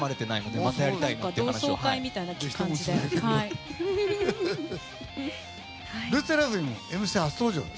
同窓会みたいな感じで。